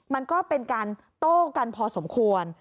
มันก็เป็นการโต้กันพอสมควร